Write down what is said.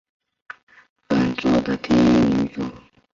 本作的第一女主角。